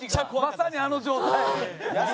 まさにあの状態？